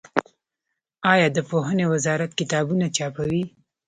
آیا د پوهنې وزارت کتابونه چاپوي؟